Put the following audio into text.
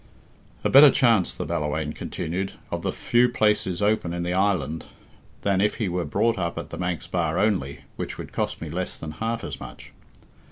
"A better chance," the Ballawhaine continued, "of the few places open in the island than if he were brought up at the Manx bar only, which would cost me less than half as much."